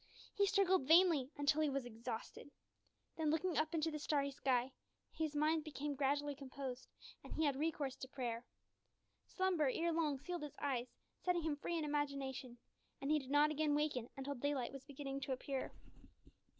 He struggled vainly until he was exhausted. Then, looking up into the starry sky, his mind became gradually composed, and he had recourse to prayer. Slumber ere long sealed his eyes, setting him free in imagination, and he did not again waken until daylight was beginning to appear.